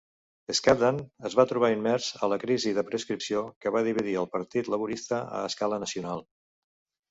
Scaddan es va trobar immers a la crisi de prescripció, que va dividir el Partit Laborista a escala nacional.